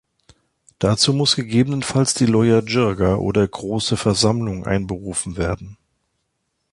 Dazu muss gegebenenfalls die Loya Jirga oder Große Versammlung einberufen werden.